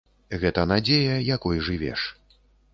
Гэта надзея, якой жывеш.